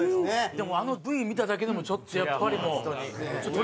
でもあのＶ見ただけでもちょっとやっぱりもう鳥肌立ちますよね。